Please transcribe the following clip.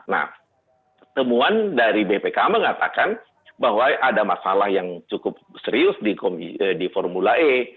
nah temuan dari bpk mengatakan bahwa ada masalah yang cukup serius di formula e